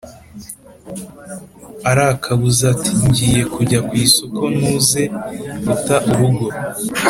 Arakabuza ati: ngiye kujya kwisoko ntuze guta urugo